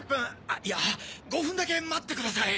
いや５分だけ待ってください。